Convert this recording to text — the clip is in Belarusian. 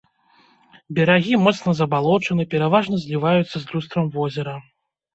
Берагі моцна забалочаны, пераважна зліваюцца з люстрам возера.